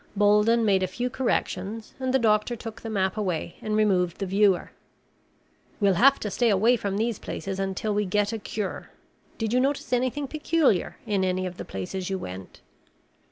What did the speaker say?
Bolden made a few corrections and the doctor took the map away and removed the viewer. "We'll have to stay away from these places until we get a cure. Did you notice anything peculiar in any of the places you went?"